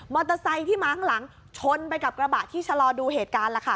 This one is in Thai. ที่มาข้างหลังชนไปกับกระบะที่ชะลอดูเหตุการณ์ล่ะค่ะ